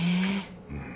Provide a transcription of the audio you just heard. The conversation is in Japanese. うん。